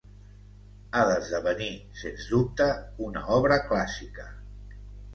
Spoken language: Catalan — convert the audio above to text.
ha d'esdevenir, sens dubte, una obra clàssica